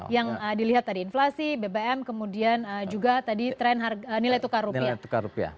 yang dilihat tadi inflasi bbm kemudian juga tadi tren nilai tukar rupiah